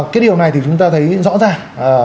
cái điều này thì chúng ta thấy rõ ràng